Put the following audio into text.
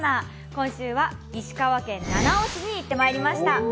今週は石川県七尾市に行ってまいりました。